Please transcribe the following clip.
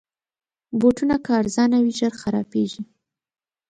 بوټونه که ارزانه وي، ژر خرابیږي.